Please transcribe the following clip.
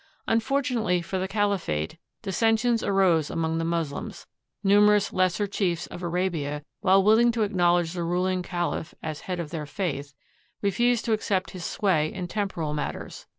Unfortunately for the caliphate, dissensions arose among the Moslems. Numerous lesser chiefs of Arabia, while willing to acknowledge the ruling caHph as head of their faith, re fused to accept his sway in temporal matters.